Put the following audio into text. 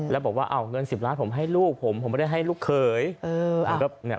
แล้วบอกว่าเงิน๑๐ล้านผมให้ลูกผมผมไม่ได้ให้ลูกเขย